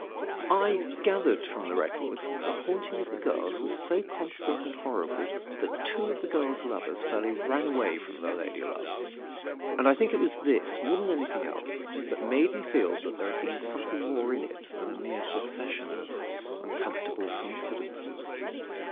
"I gathered from the records that the haunting of the girls was so constant and horrible that two of the girls' lovers fairly ran away from their lady loves. And I think it was this, more than anything else, that made me feel that there had been something more in it, than a mere succession of uncomfortable coincidences.